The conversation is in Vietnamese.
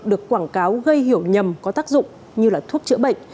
được quảng cáo gây hiểu nhầm có tác dụng như là thuốc chữa bệnh